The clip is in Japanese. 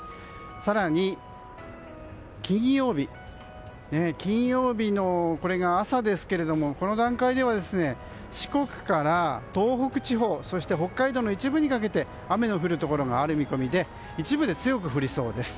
更に、金曜日の朝ですがこの段階では、四国から東北地方そして北海道の一部にかけて雨の降るところがありそうで一部で強く降りそうです。